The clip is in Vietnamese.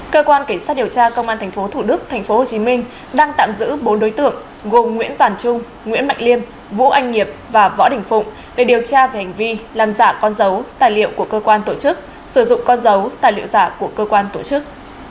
cơ quan cảnh sát điều tra công an tp thủ đức tp hcm đang tạm giữ bốn đối tượng gồm nguyễn toàn trung nguyễn mạnh liêm vũ anh nghiệp và võ đình phụng để điều tra về hành vi làm giả con dấu tài liệu của cơ quan tổ chức sử dụng con dấu tài liệu giả của cơ quan tổ chức